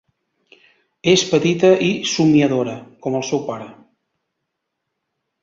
És petita i somniadora, com el seu pare.